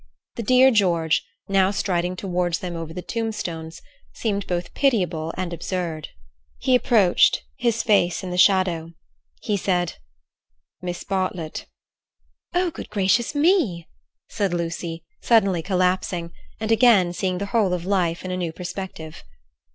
The dear George, now striding towards them over the tombstones, seemed both pitiable and absurd. He approached, his face in the shadow. He said: "Miss Bartlett." "Oh, good gracious me!" said Lucy, suddenly collapsing and again seeing the whole of life in a new perspective.